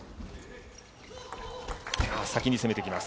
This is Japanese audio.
先に攻めてきます。